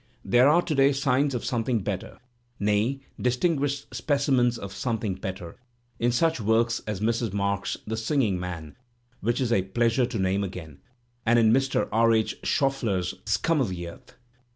There are to day signs of some thing better, nay, distinguished specimens of something better, in such work as Mrs. Marks's "The Singing Man," which it is a pleasure to name again, and in Mr. R. H. Schauffler's "Scum o' the Earth."